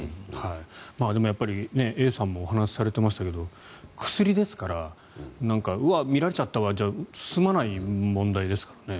でもＡさんもお話しされてましたけど薬ですからうわ、見られちゃったわじゃ済まない問題ですからね。